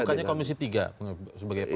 bukannya komisi tiga sebagai komisi terakhir